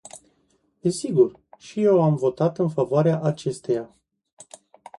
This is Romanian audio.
Desigur, și eu am votat în favoarea acesteia.